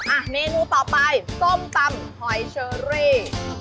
อ่ะเมนูต่อไปส้มตำหอยเชอรี่